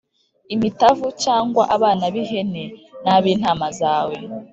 imitavu cyangwa abana b’ihene n’ab’intama zawe